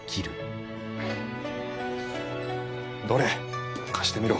どれ貸してみろ。